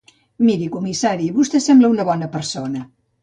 Miri, comissari, vostè sembla una bona persona.